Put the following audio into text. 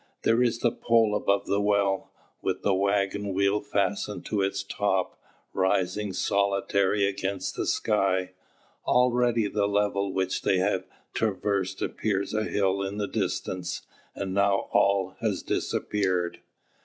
There is the pole above the well, with the waggon wheel fastened to its top, rising solitary against the sky; already the level which they have traversed appears a hill in the distance, and now all has disappeared.